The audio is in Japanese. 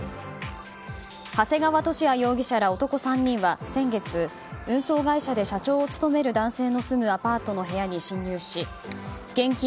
長谷川俊哉容疑者ら男３人は先月運送会社の社長を務める男性のアパートの部屋に侵入し現金